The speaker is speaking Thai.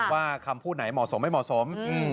ว่าคำพูดไหนเหมาะสมไม่เหมาะสม